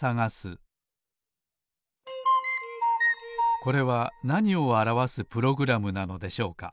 これはなにをあらわすプログラムなのでしょうか？